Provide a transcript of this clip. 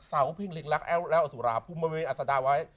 เสาเพิ่งเร็งรักแล้วสุราพุมเมเมษฐ์อัศดาไว้